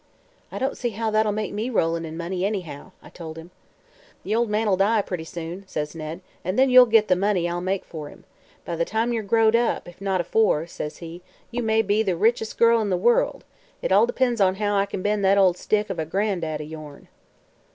"'I don't see how that'll make me rollin' in money, anyhow,' I told him. "'The ol' man'll die, pretty soon,' says Ned, 'an' then you'll git the money I make for him. By the time yer growed up, if not afore,' says he, 'you may be the riches' girl in the world. It all depends on how I kin bend that ol' stick of a gran'dad o' yourn.'